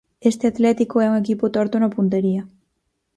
Este Atlético é un equipo torto na puntería.